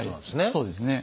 そうですね。